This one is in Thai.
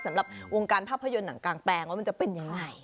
สำหรับวงการภาพยนตร์หนังกลางแปลงว่ามันจะเป็นยังไง